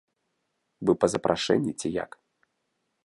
Вы па запрашэнні ці як?